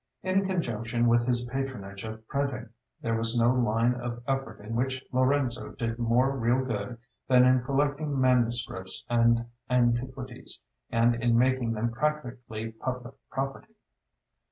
In conjunction with his patronage of printing, there was no line of effort in which Lorenzo did more real good than in collecting manuscripts and antiquities, and in making them practically public property.